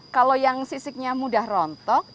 kalau yang sisiknya mudah rontok